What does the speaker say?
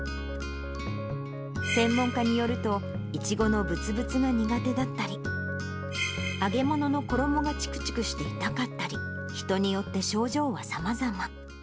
専門家によると、いちごのぶつぶつが苦手だったり、揚げ物の衣がちくちくして痛かったり、人によって症状はさまざま。